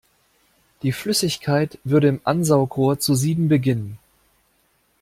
Die Flüssigkeit würde im Ansaugrohr zu sieden beginnen.